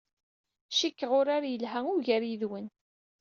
Cikkeɣ urar yelha ugar yid-wen.